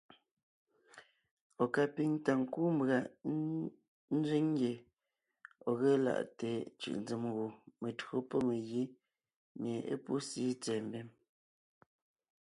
Ɔ̀ ka píŋ ta kúu mbʉ̀a nzẅíŋ ngye ɔ̀ ge laʼte cʉ̀ʼnzèm gù metÿǒ pɔ́ megǐ mie é pú síi tsɛ̀ɛ mbim.s.